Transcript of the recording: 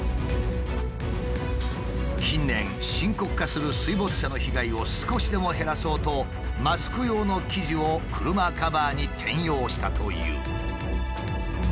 近年深刻化する水没車の被害を少しでも減らそうとマスク用の生地を車カバーに転用したという。